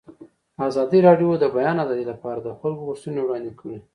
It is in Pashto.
ازادي راډیو د د بیان آزادي لپاره د خلکو غوښتنې وړاندې کړي.